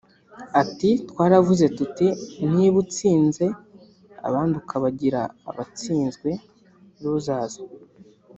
Ati Twaravuze tuti niba utsinze abandi ukabagira abatsinzwe (losers)